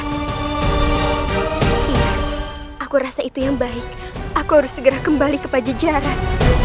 iya aku rasa itu yang baik aku harus segera kembali ke pajejaran